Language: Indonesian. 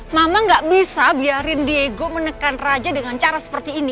mama gak bisa biarin diego menekan raja dengan cara seperti ini